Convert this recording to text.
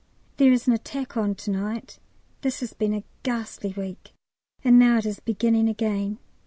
There is an attack on to night. This has been a ghastly week, and now it is beginning again.